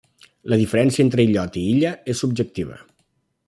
La diferència entre illot i illa és subjectiva.